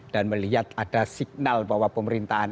dan melihat ada signal bahwa pemerintahan